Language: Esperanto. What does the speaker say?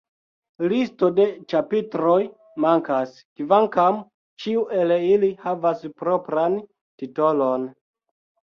Listo de ĉapitroj mankas, kvankam ĉiu el ili havas propran titolon.